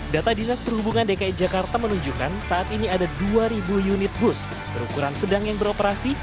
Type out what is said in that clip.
data dinas perhubungan dki jakarta menunjukkan saat ini ada dua unit bus berukuran sedang yang beroperasi